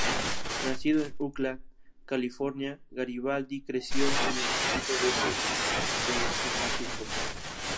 Nacido en Oakland, California, Garibaldi creció en el distrito este de San Francisco.